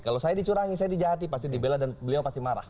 kalau saya dicurangi saya dijahati pasti dibela dan beliau pasti marah